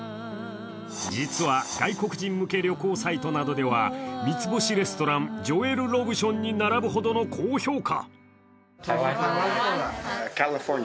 実は外国人向け旅行サイトなどでは三つ星レストラン、ジョエル・ロブションに並ぶほどの高評価。